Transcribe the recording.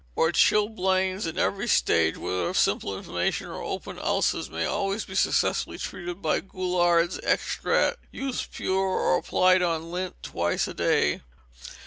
Or, chilblains in every stage, whether of simple inflammation or open ulcer, may always he successfully treated by Goulard's extract, used pure or applied on lint twice a day.